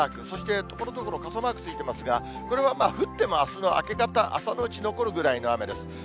そしてところどころ傘マークついてますが、これは降ってもあすの明け方、朝のうち残るぐらいの雨です。